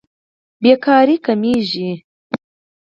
بېکاري کمېږي.